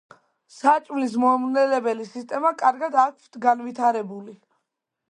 საჭმლის მომნელებელი სისტემა კარგად აქვთ განვითარებული.